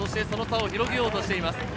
その差を広げようとしています。